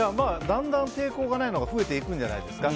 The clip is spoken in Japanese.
だんだん、抵抗がないのが増えていくんじゃないですか。